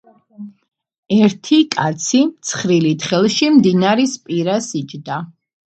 ერთი კაცი ცხრილით ხელში მდინარისა პირას იჯდა.